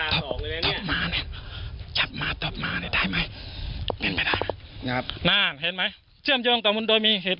ถ้าจะบอกอีกเรื่องนี้สวัสดีพี่พี่พวก